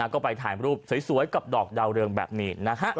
ก็ไปถ่ายรูปสวยกับดอกดาวเรืองแบบนี้นะฮะ